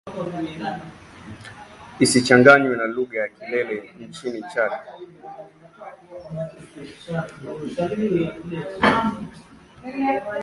Isichanganywe na lugha ya Kilele nchini Chad.